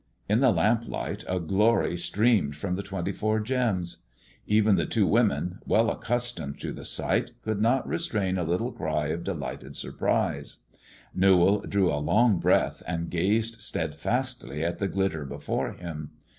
In the lamplight a glory streamed from the twenty four gems. Even the two women well ace stomed to the sight, could not restrain a little cry of del gl ted surprise. Newall drew a long breath and gazed steadfastly at the glitter before him.